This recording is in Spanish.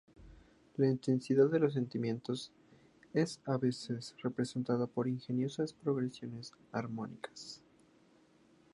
La intensidad de los sentimientos es a veces representada por ingeniosas progresiones armónicas.